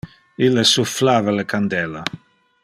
Ille sufflava le candela.